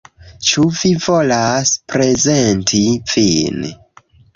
Ĉu vi volas prezenti vin